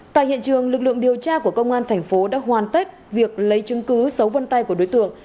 tại hiện trường lực lượng điều tra của công an thành phố đã hoàn tất việc lấy chứng cứ dấu vân tay của đối tượng